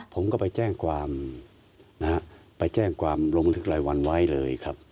ผมก็ไปแจ้งความนะฮะไปแจ้งความลงบันทึกรายวันไว้เลยครับ